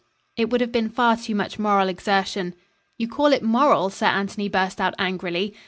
"It would have been far too much moral exertion " "You call it moral?" Sir Anthony burst out angrily.